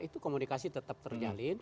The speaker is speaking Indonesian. itu komunikasi tetap terjalin